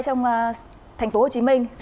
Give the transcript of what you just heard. trong thành phố hồ chí minh